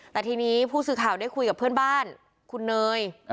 แต่ทีนี้ผู้สื่อข่าวได้คุยกับเพื่อนบ้านคุณเนย